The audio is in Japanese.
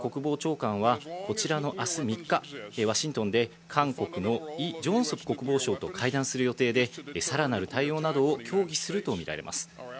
またオースティン国防長官はこちらの明日３日、ワシントンで韓国のイ・ジョンソプ国防相と会談する予定で、さらなる対応などを協議するとみられます。